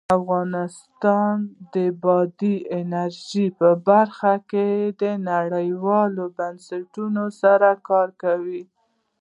افغانستان د بادي انرژي په برخه کې نړیوالو بنسټونو سره کار کوي.